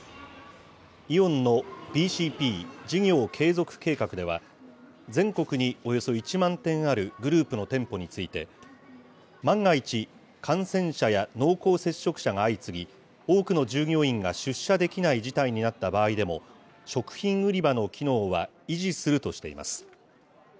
イオンのＢＣＰ・事業継続計画では、全国におよそ１万店あるグループの店舗について、万が一、感染者や濃厚接触者が相次ぎ、多くの従業員が出社できない事態になった場合でも、食品売り場の機能は維持するとしています。